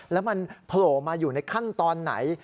แล้วมันโผล่มาอยู่ในขั้นตอนไหน